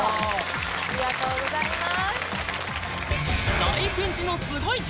ありがとうございます。